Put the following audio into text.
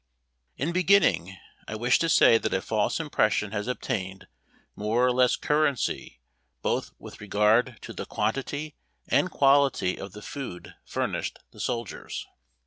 In beginning, I wish to say that a false impression has obtained more or less currency both with regard to the quantity and quality of the food furnished the soldiers.